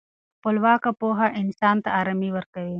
خپلواکه پوهه انسان ته ارامي ورکوي.